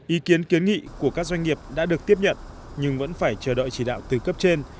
ý kiến kiến nghị của các doanh nghiệp đã được tiếp nhận nhưng vẫn phải chờ đợi chỉ đạo từ cấp trên